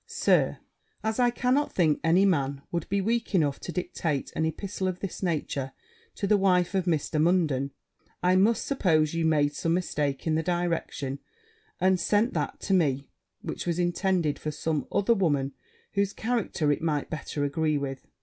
'Sir, As I cannot think any man would be weak enough to dictate an epistle of this nature to the wife of Mr. Munden, I must suppose you made some mistake in the direction, and sent that to me which was intended for some other woman, whose character it might better agree with.